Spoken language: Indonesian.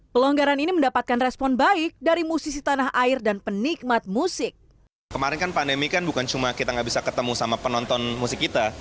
pelonggaran ini mendapatkan respon baik dari musisi tanah air dan penikmat musik kemarin